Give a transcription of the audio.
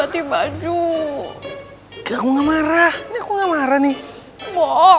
ganti baju kayak ngamarah ngamaran nih